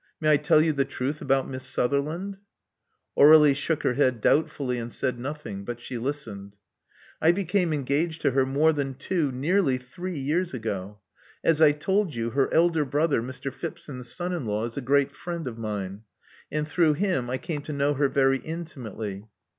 May I tell you the truth about Miss Sutherland?" Aur^lie shook her head doubtfully, and said noth ing. But she listened. I became engaged to her more than two — nearly three years ago. As I told you, her elder brother, Mr. Phipson's son in law, is a great friend of mine; and through him I came to know her very intimately.